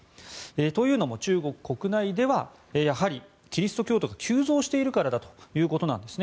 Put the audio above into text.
というのも中国国内ではやはりキリスト教徒が急増しているからだということです。